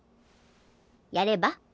やれば？